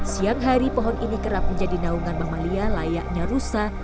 siang hari pohon ini kerap menjadi naungan mamalia layaknya rusa